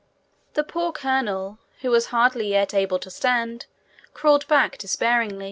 The poor colonel, who was yet hardly able to stand, crawled back despairing.